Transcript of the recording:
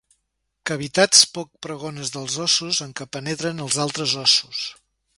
Cavitats poc pregones dels ossos en què penetren els altres ossos.